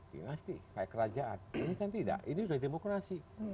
dinasti kayak kerajaan ini kan tidak ini sudah demokrasi